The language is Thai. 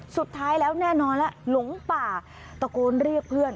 สุดท้ายแล้วแน่นอนแล้วหลงป่าตะโกนเรียกเพื่อน